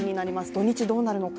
土日、どうなるのか。